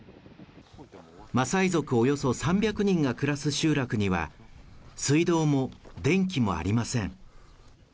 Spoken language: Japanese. マサイ族およそ３００人が暮らす集落には、水道も電気もありません。